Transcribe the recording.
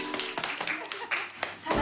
ただ。